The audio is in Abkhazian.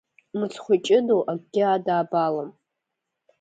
Мыцхә иҷыдоу акгьы адаабалом.